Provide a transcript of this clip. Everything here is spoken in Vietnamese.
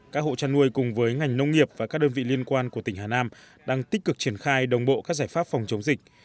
các hộ chăn nuôi cùng với ngành nông nghiệp và các đơn vị liên quan của tỉnh hà nam đang tích cực triển khai đồng bộ các giải pháp phòng chống dịch